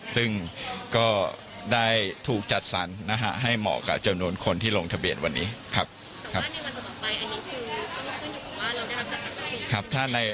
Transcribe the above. ซึ่งก็ได้ถูกจัดสรรนะฮะให้เหมาะกับจำนวนคนที่ลงทะเบียนวันนี้ครับ